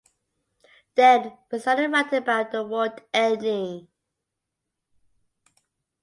Then we started writing about the world ending.